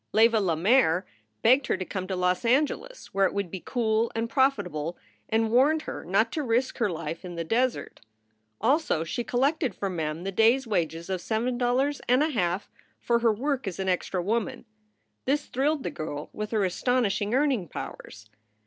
Leva Lemaire begged her to come to Los Angeles, where it would be cool and profitable, and warned her not to risk her life in the desert. Also she collected for Mem the day s wage of seven dollars and a half for her work as an extra woman. This thrilled the girl with her astonish ing earning powers.